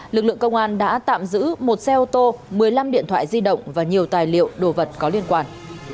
lực lượng công an đã tạm giữ một xe ô tô một mươi năm điện thoại di động và nhiều tài liệu đồ vật có liên quan